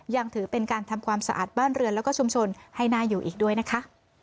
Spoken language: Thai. ยังถือเป็นการทำความสะอาดบ้านเรือนแล้วก็ชุมชนให้น่าอยู่อีกด้วยนะคะ